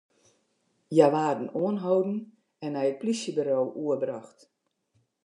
Hja waarden oanholden en nei it polysjeburo oerbrocht.